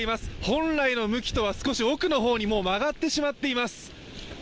本来の向きとは少し奥の方に曲がってしまっています。